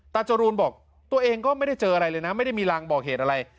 จรูนบอกตัวเองก็ไม่ได้เจออะไรเลยนะไม่ได้มีรางบอกเหตุอะไร